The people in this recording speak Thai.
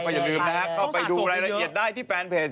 อย่าลืมนะฮะเข้าไปดูรายละเอียดได้ที่แฟนเพจ